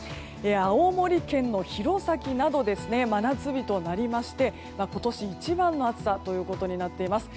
青森県の弘前など真夏日となりまして今年一番の暑さということになっています。